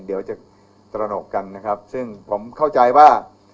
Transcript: เดี๋ยวจะตระหนกกันนะครับซึ่งผมเข้าใจว่า